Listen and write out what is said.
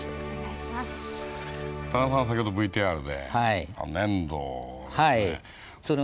田中さん先ほどＶＴＲで粘土をですね。